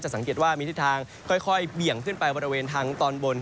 สังเกตว่ามีทิศทางค่อยเบี่ยงขึ้นไปบริเวณทางตอนบน